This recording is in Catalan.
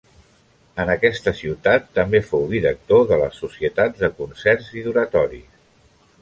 En aquesta ciutat també fou director de les societats de concerts i d'oratoris.